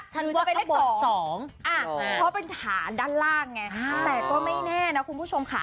ถือว่าเป็นเลข๒๒เพราะเป็นฐานด้านล่างไงแต่ก็ไม่แน่นะคุณผู้ชมค่ะ